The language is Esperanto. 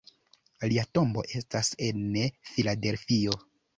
Lia tombo estas en Filadelfio.